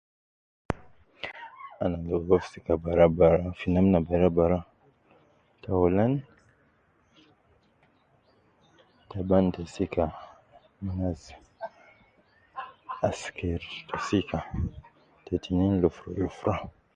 Ana gi ligo fi sika bara bara fi namna bara bara taulan, taban te sika ,kazi, asker te sika, te tinin lufra lufra